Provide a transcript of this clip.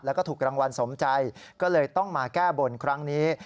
แล้วก็ถูกรางวัลสมใจก็เลยต้องมาแก้บนครั้งนี้